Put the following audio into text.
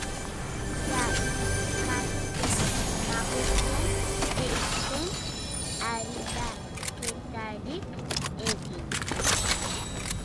Sailkapen nagusian ez zen aldaketarik egin.